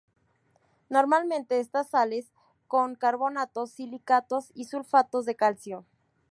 Normalmente estas sales son carbonatos, silicatos y sulfatos de calcio.